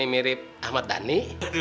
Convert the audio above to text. ini mirip ahmad dhani